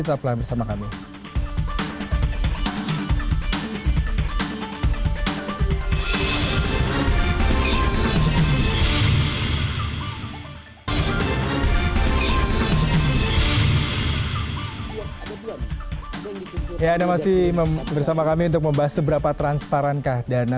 kalau misalnya nama mirip mirip suatu perusahaan